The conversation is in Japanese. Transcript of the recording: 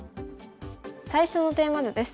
最初のテーマ図です。